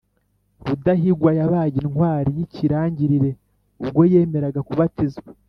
rudahigwa yabaye intwari y’ikirangirire ubwo yemeraga kubatizwa